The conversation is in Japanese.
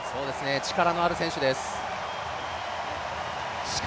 力のある選手です。